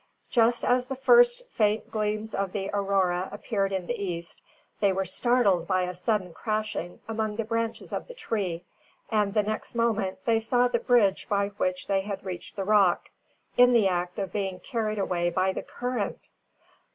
Just as the first faint gleams of the aurora appeared in the east, they were startled by a sudden crashing among the branches of the tree, and the next moment, they saw the bridge by which they had reached the rock, in the act of being carried away by the current!